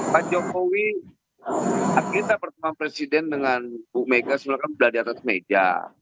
pak jokowi kita pertama presiden dengan bumk sudah di atas meja